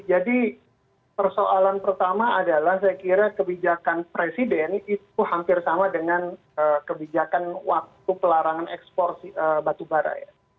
jadi persoalan pertama adalah saya kira kebijakan presiden itu hampir sama dengan kebijakan waktu pelarangan ekspor batu bara